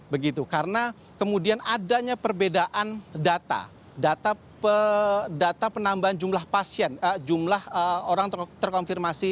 begitu karena kemudian adanya perbedaan data data penambahan jumlah pasien jumlah orang terkonfirmasi